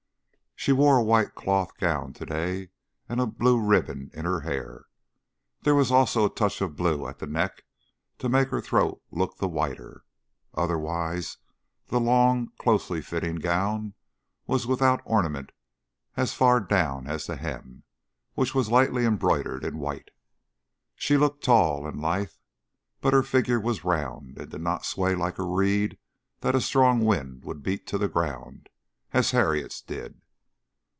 She wore a white cloth gown today and a blue ribbon in her hair. There was also a touch of blue at the neck, to make her throat look the whiter. Otherwise, the long closely fitting gown was without ornament as far down as the hem, which was lightly embroidered in white. She looked tall and lithe, but her figure was round, and did not sway like a reed that a strong wind would beat to the ground, as Harriet's did.